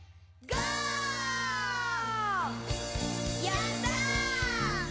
「やった」